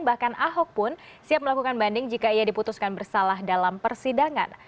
bahkan ahok pun siap melakukan banding jika ia diputuskan bersalah dalam persidangan